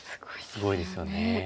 すごいですよね。